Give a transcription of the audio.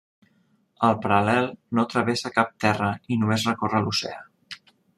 El paral·lel no travessa cap terra i només recorre l'oceà.